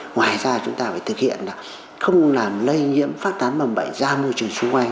ngoài ra chúng ta phải thực hiện là không làm lây nhiễm phát tán bầm bệnh ra môi trường xung quanh